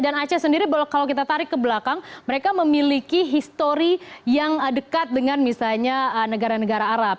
dan aceh sendiri kalau kita tarik ke belakang mereka memiliki histori yang dekat dengan misalnya negara negara arab